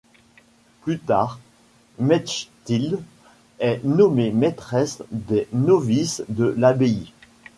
Plus tard, Mechtilde est nommée maîtresse des novices de l'abbaye.